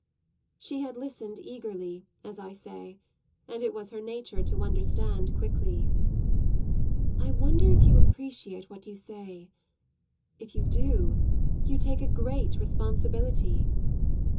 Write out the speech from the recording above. She had listened eagerly, as I say; and it was her nature to understand quickly. "I wonder if you appreciate what you say. If you do, you take a great responsibility."